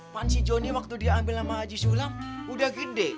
pansi jonny waktu diambil sama haji sulam udah gede